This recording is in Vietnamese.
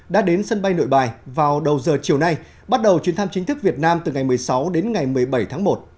đã đến sân bay nội bài vào đầu giờ chiều nay bắt đầu chuyến thăm chính thức việt nam từ ngày một mươi sáu đến ngày một mươi bảy tháng một